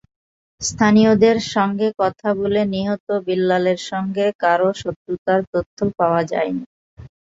স্থানীয়দের সঙ্গে কথা বলে নিহত বিল্লালের সঙ্গে কারও শত্রুতার তথ্য পাওয়া যায়নি।